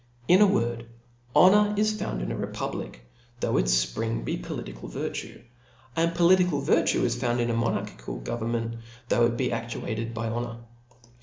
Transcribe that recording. In a wordy honour is found in a republic, thbugh its fpring be political virtue ; and political virtue is found in a monarchical gover^tment^ though it be abated bf honour.